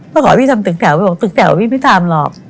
ก็ขอให้พี่ทำตึกแถวพี่บอกตึกแถวพี่ไม่ทำหรอก